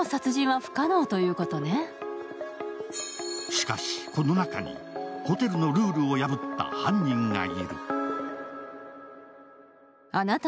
しかし、この中にホテルのルールを破った犯人がいる。